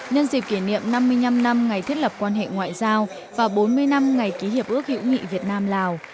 nhân dịp kỷ niệm năm mươi năm năm ngày thiết lập quan hệ ngoại giao và bốn mươi năm ngày ký hiệp ước hữu nghị việt nam lào